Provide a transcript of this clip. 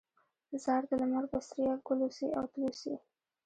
ځار د لمر بڅريه، ګل اوسې او تل اوسې